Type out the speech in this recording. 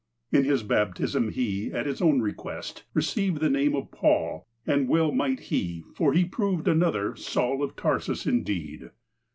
In his baptism he, at his own request, received the name of "Paul," and well might he, for he proved another "Saul of Tarsus," indeed.